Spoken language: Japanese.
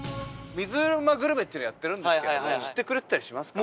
グルメっていうのをやってるんですけども知ってくれてたりしますか？